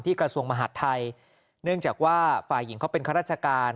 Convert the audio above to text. กระทรวงมหาดไทยเนื่องจากว่าฝ่ายหญิงเขาเป็นข้าราชการ